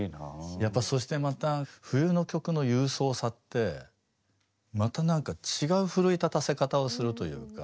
やっぱそしてまた冬の曲の勇壮さってまたなんか違う奮い立たせ方をするというか。